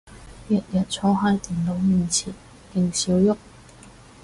日日坐係電腦前面勁少郁